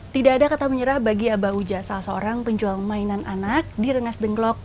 tidak ada kata menyerah bagi abah uja salah seorang penjual mainan anak di rengas dengklok